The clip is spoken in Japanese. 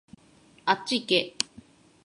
あっちいけ